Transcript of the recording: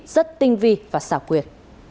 rất tinh vi và xảo quyệt